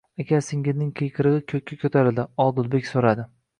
Aka-singilning qiyqirg'i ko'kka ko'tarildi. Odilbek so'radi: